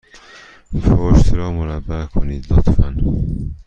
پشت را مربع کنید، لطفا.